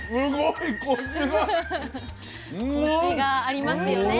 コシがありますよねえ。